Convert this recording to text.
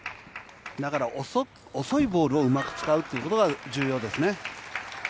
だから遅いボールをうまく使うってことが重要ですね。